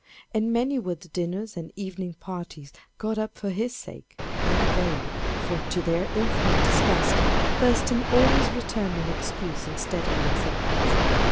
And many were the dinners and evening parties got up for his sake, in vain, for to their infinite disgust, Thurston always returned an excuse instead of an acceptance.